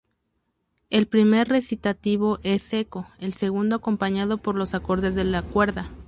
El primer recitativo es "secco", el segundo acompañado por los acordes de la cuerda.